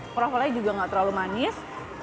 kroffelnya juga nggak terlalu manis